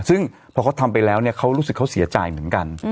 ซึ่งพอเขาทำไปแล้วเนี่ยเขารู้สึกเขาเสียใจเหมือนกัน